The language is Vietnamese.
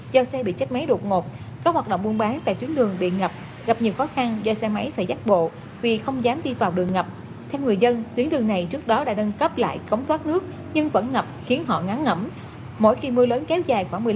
mỗi khi mưa lớn kéo dài khoảng một mươi năm ba mươi phút thì đường ngập như sông